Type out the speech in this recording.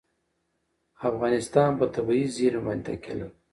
افغانستان په طبیعي زیرمې باندې تکیه لري.